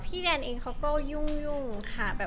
พี่แดนเขาก็ยุ่งค่ะ